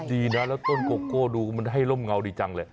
ดีนะแล้วต้นโกโก้ดูมันให้ร่มเงาดีจังเลย